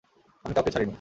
আমি কাউকে ছাড়িনি।